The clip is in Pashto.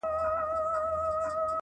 o او پای يې خلاص پاته کيږي,